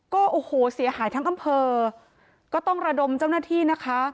ก็โอ้โหเสียหายทั้งอำเภอก็ต้องระดมเจ้าหน้าที่นะคะ